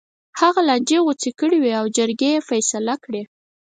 هغه لانجې غوڅې کړې وې او جرګې یې فیصله کړې.